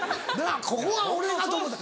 ここは俺が！と思った？